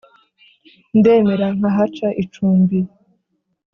ndemera nkahaca icumbi.